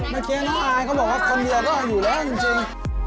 เมื่อกี้อาหารเขาบอกว่าความเวลาก็อยู่แล้วจริง